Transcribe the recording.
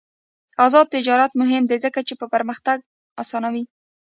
آزاد تجارت مهم دی ځکه چې پرمختګ اسانوي.